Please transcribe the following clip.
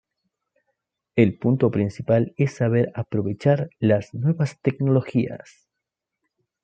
El punto principal es saber aprovechar las nuevas tecnologías.